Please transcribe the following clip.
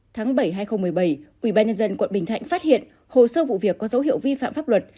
tháng bảy hai nghìn một mươi bảy ủy ban nhân dân quận bình thạnh phát hiện hồ sơ vụ việc có dấu hiệu vi phạm pháp luật